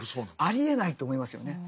ありえないと思いますよね。